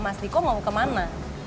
mas diko mau kemana